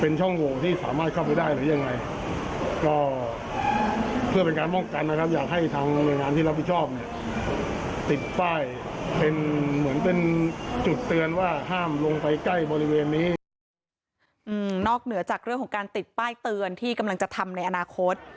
นอกเหนือจากเรื่องของการติดป้ายเตือนที่กำลังจะทำในอนาคต